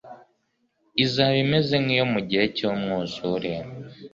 izaba imeze nk'iyo mu gihe cy'umwuzure